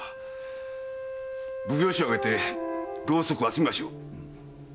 奉行所をあげてロウソクを集めましょう。